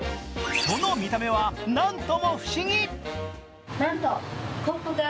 その見た目は何とも不思議。